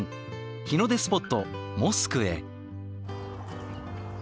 日の出スポットモスクへ。